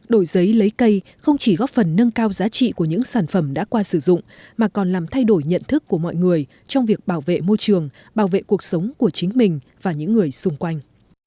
đổi giấy lấy cây không chỉ góp phần nâng cao giá trị của những sản phẩm đã qua sử dụng mà còn làm thay đổi nhận thức của mọi người trong việc bảo vệ môi trường bảo vệ cuộc sống của chính mình và những người xung quanh